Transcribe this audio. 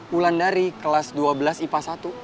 wulan dari kelas dua belas ipa satu